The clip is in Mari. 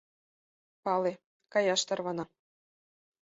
Пале, каяш тарвана.